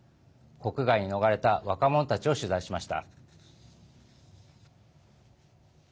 国外に逃れた若者たちを取材しました。